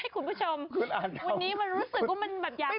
คุณผู้ชมวันนี้รู้สึกว่าอยากอะไร